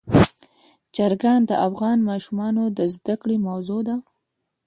چرګان د افغان ماشومانو د زده کړې موضوع ده.